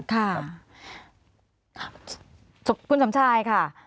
ค่ะคุณสมชายค่ะ